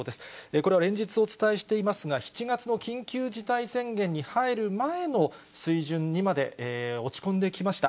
これは連日お伝えしていますが、７月の緊急事態宣言に入る前の水準にまで落ち込んできました。